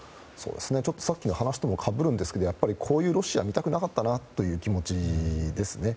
さっきの話ともかぶるんですがこういうロシアを見たくなかったなという気持ちですね。